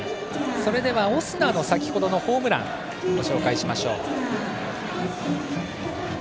それではオスナの先程のホームランをご紹介します。